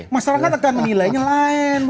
masyarakat akan menilainya lain